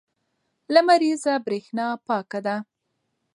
لمریزه برېښنا پاکه ده.